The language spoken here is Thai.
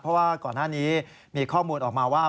เพราะว่าก่อนหน้านี้มีข้อมูลออกมาว่า